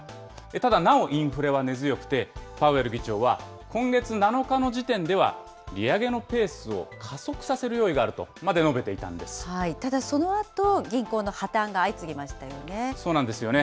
ただ、なおインフレは根強くて、パウエル議長は、今月７日の時点では、利上げのペースを加速させる用意があるとまで述べていたんただ、そのあと、銀行の破綻そうなんですよね。